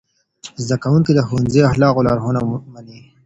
زدهکوونکي د ښوونځي د اخلاقو لارښوونه مني.